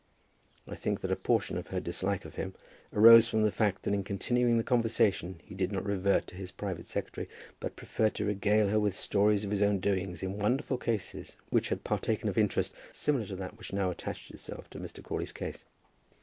I think that a portion of her dislike to him arose from the fact that in continuing the conversation he did not revert to his private secretary, but preferred to regale her with stories of his own doings in wonderful cases which had partaken of interest similar to that which now attached itself to Mr. Crawley's case.